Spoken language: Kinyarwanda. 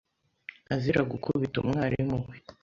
azira gukubita umwalimu we